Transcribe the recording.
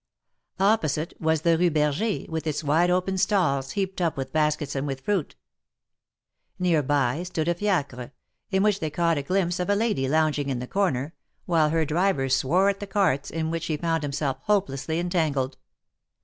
Opposite was the Rue Berger, with its wide open stalls heaped up with baskets and with fruit. Near by stood a fiacre, in which they caught a glimpse of a lady lounging in the corner, while her driver swore at the carts, in which he found himself hopelessly entangled.